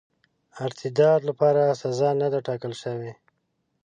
ارتداد لپاره سزا نه ده ټاکله سوې.